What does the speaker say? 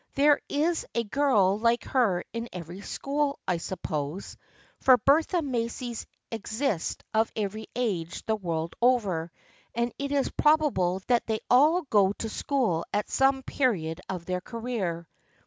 There is a girl like her in every school, I suppose, for Bertha Macys exist of every age the world over, and it is probable that they all go to school at some period of their career.